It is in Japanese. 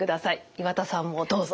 岩田さんもどうぞ。